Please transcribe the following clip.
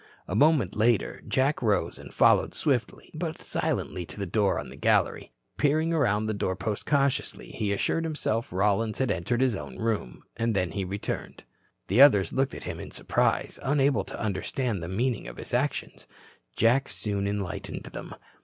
A moment later Jack arose and followed swiftly but silently to the door on the gallery. Peering around the doorpost cautiously, he assured himself Rollins had entered his own room, then returned. The others looked at him in surprise, unable to understand the meaning of his actions. Jack soon enlightened them.